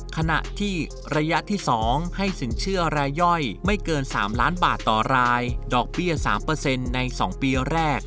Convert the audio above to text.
ขณะที่ระยะที่๒ให้สินเชื่อรายย่อยไม่เกิน๓ล้านบาทต่อรายดอกเบี้ย๓ใน๒ปีแรก